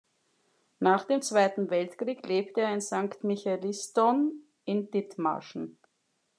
Nach dem Zweiten Weltkrieg lebte er in Sankt Michaelisdonn in Dithmarschen.